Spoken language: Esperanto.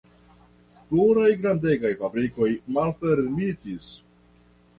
Pluraj grandegaj fabrikoj malfermitis.